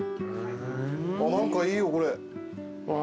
何かいいよこれ。わ